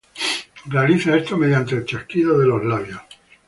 Realiza esto mediante el chasquido de los labios.